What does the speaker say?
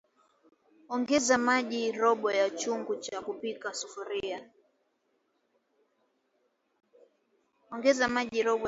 Ongeza maji robo ya chungu cha kupikia sufuria